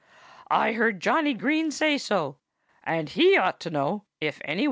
"I heard Johnnie Green say so. And he ought to know, if anyone does."